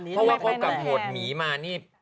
เพราะว่าคบกับโหดหมีมานี่